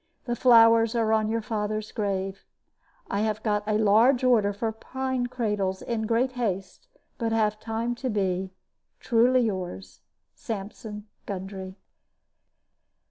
The flowers are on your father's grave. I have got a large order for pine cradles in great haste, but have time to be, "Truly yours, "SAMPSON GUNDRY."